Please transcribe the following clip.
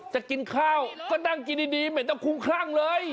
จะกินข้าวก็นั่งกินดีเหม็นเท่าคุ้งขั่งเลย